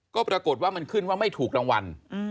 ก็ปรากฏว่ามันขึ้นว่าไม่ถูกรางวัล